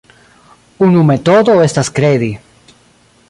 Unu metodo estas kredi.